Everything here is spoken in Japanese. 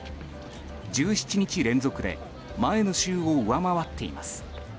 １７日連続で前の週を上回っています。